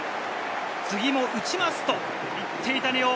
次も打ちますと言っていた根尾。